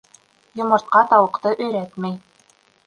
Йомортҡа тауыҡты өйрәтмәй.